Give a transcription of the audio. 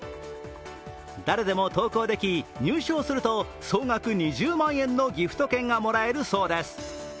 誰でも投稿でき、入賞すると総額２０万円のギフト券がもらえるそうです。